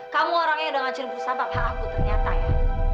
kamu orangnya yang udah ngacirin perusahaan papa aku ternyata ya